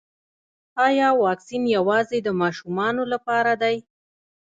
ایا واکسین یوازې د ماشومانو لپاره دی